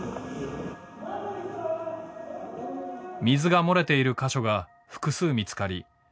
水が漏れている箇所が複数見つかり